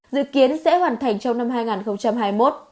dự kiến sẽ hoàn thành trong năm hai nghìn hai mươi một